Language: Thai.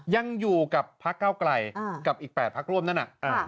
ยังอยู่กับภักษ์ก้าวไกลกับอีก๘ภักษ์ร่วมนั้น